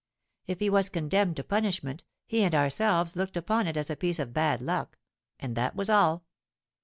If he was condemned to punishment, he and ourselves looked upon it as a piece of bad luck—and that was all.